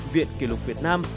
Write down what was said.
viện kỷ lục việt nam